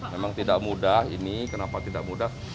memang tidak mudah ini kenapa tidak mudah